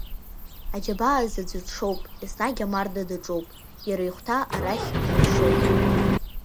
Аџьабааз аӡәы дшоуп, Еснагь амарда даҿоуп, иара ихәҭаа арахь еиҩшоуп.